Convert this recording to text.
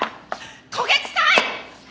焦げ臭い！